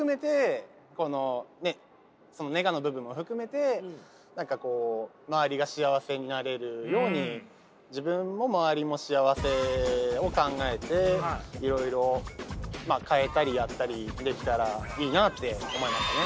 このねそのネガの部分も含めて何かこう周りが幸せになれるように自分も周りも幸せを考えていろいろまあ変えたりやったりできたらいいなって思いましたね。